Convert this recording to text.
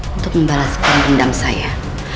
untuk membalaskan pendam saya